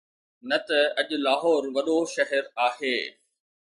نه ته اڄ لاهور وڏو شهر آهي.